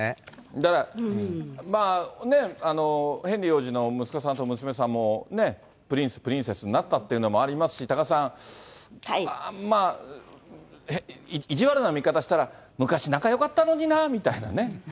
だからヘンリー王子の息子さんと娘さんもね、プリンス、プリンセスになったというのもありますし、多賀さん、意地悪な見かたしたら、昔、仲よかったのになみたいなね。